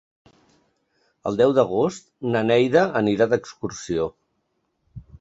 El deu d'agost na Neida anirà d'excursió.